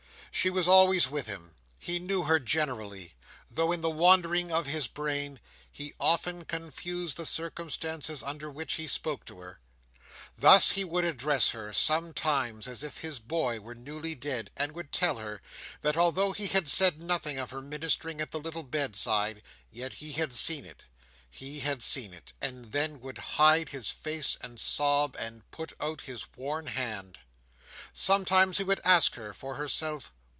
She was always with him. He knew her, generally; though, in the wandering of his brain, he often confused the circumstances under which he spoke to her. Thus he would address her, sometimes, as if his boy were newly dead; and would tell her, that although he had said nothing of her ministering at the little bedside, yet he had seen it—he had seen it; and then would hide his face and sob, and put out his worn hand. Sometimes he would ask her for herself.